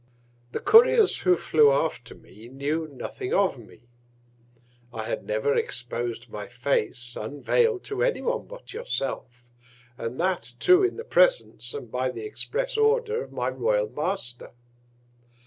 The Couriers, who flew after me, knew nothing of me. I had never expos'd my Face unveil'd to any one but your self, and that too in the Presence, and by the express Order of my Royal Master.